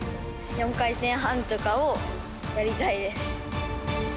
４回転半とかをやりたいです。